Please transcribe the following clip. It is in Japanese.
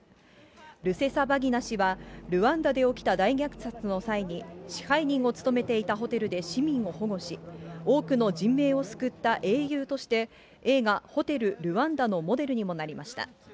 ルセサバギナ氏はルワンダで起きた大虐殺の際に、支配人を務めていたホテルで市民を保護し、多くの人命を救った英雄として、映画、ホテル・ルワンダのモデルにもなりました。